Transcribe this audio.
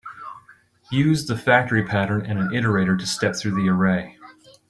Use the factory pattern and an iterator to step through the array.